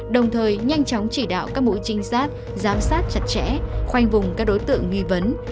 đồng thời nhanh chóng chỉ đạo các mũi trinh sát giám sát chặt chẽ khoanh vùng các đối tượng nghi vấn